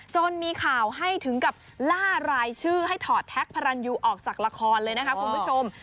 จนมีข่าวให้ถึงกับล่ารายชื่อให้ถอดแท็กพระรันยูออกจากละครเลยนะคะคุณผู้ชม